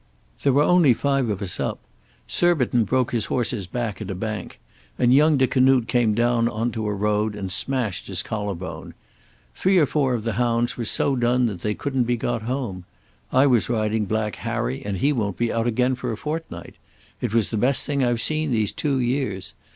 There were only five of us up. Surbiton broke his horse's back at a bank, and young De Canute came down on to a road and smashed his collar bone. Three or four of the hounds were so done that they couldn't be got home. I was riding Black Harry and he won't be out again for a fortnight. It was the best thing I've seen these two years.